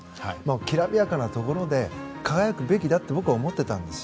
きらびやかなところで輝くべきだと僕は思ってたんですよ。